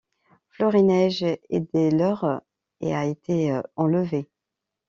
Florineige est des leurs et a été enlevée.